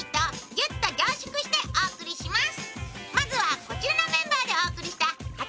ぎゅっと凝縮してお送りします。